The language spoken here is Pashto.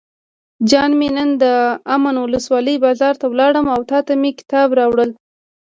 جان مې نن دامن ولسوالۍ بازار ته لاړم او تاته مې کتاب راوړل.